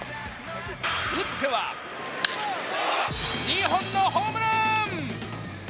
打っては２本のホームラン！